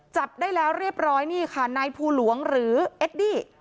จับได้แล้วเรียบร้อยนี่ค่ะนายภูหลวงหรือเอดดี้